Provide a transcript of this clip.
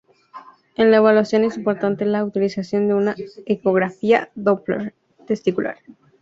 En la evaluación es importante la utilización de una ecografía-doppler testicular.